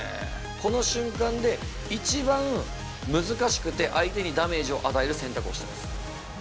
この瞬間で、一番難しくて、相手にダメージを与える選択をしてます。